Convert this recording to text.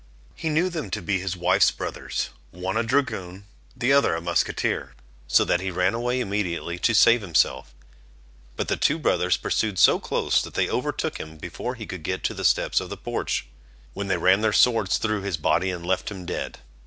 He knew them to be his wife's brothers, one a dragoon, the other a musqueteer; so that he ran away immediately to save himself; but the two brothers pursued so close, that they overtook him before he could get to the steps of the porch, when they ran their swords thro' his body and left him dead.